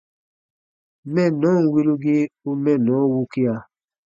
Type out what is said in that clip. Mɛnnɔn wirugii u mɛnnɔ wukia.